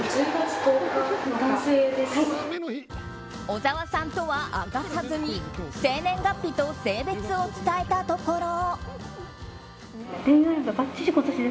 小沢さんとは明かさず生年月日と性別を伝えたところ。